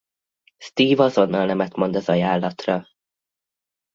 Steve azonnal nemet mond az ajánlatra.